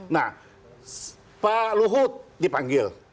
nah pak luhut dipanggil